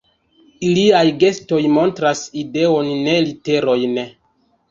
Iliaj gestoj montras ideon, ne literojn.